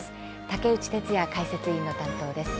竹内哲哉解説委員の担当です。